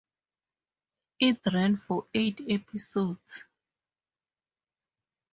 It ran for eight episodes.